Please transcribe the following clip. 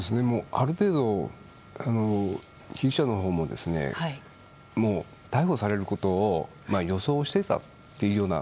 ある程度、被疑者のほうも逮捕されることを予想していたというような。